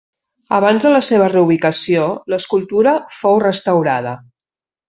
Abans de la seva reubicació, l'escultura fou restaurada.